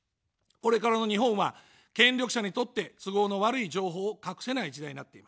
これからの日本は、権力者にとって都合の悪い情報を隠せない時代になっています。